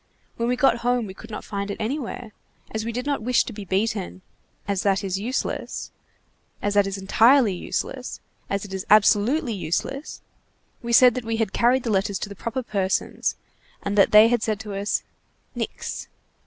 When we got home, we could not find it anywhere. As we did not wish to be beaten, as that is useless, as that is entirely useless, as that is absolutely useless, we said that we had carried the letters to the proper persons, and that they had said to us: 'Nix.